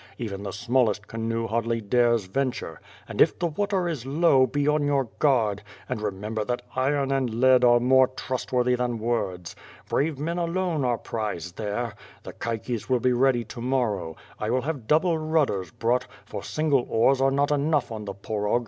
even the smallest canoe hardly dares venture; and if the water is low, be on your guard, and remember that iron and lead are more trustworthy than words. Brave men alone are prized there. The caiques will be ready to morrow. I \v\\\ have double rudders brought, for single oars are not enough on the Porog."